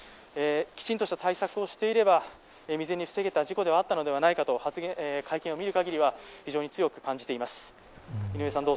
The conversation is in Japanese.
きちんとした対策をしていれば未然に防げた事故であったのではないかと会見を見るかぎりは非常に強く感じています。